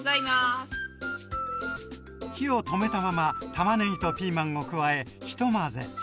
火を止めたままたまねぎとピーマンを加えひと混ぜ。